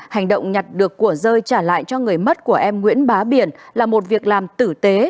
hành động nhặt được của rơi trả lại cho người mất của em nguyễn bá biển là một việc làm tử tế